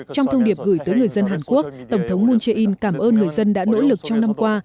trong thông điệp gửi tới người dân hàn quốc tổng thống moon jae in cảm ơn người dân đã nỗ lực trong năm qua